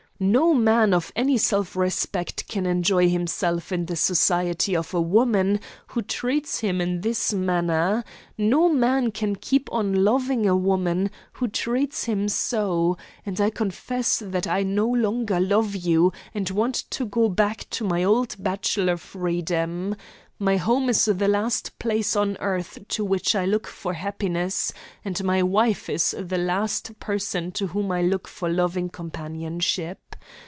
'No man of any self respect can enjoy himself in the society of a woman who treats him in this manner; no man can keep on loving a woman who treats him so, and I confess that I no longer love you, and want to go back to my old bachelor freedom. 'My home is the last place on earth to which I look for happiness, and my wife is the last person to whom I look for loving companionship.